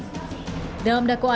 dalam dakwaan ini oman berkata